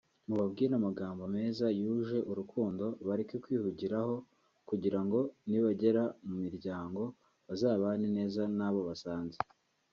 mubabwire amagambo meza yuje urukundo bareke kwihugiraho kugira ngo nibagera mu miryango bazabane neza n’abo basanze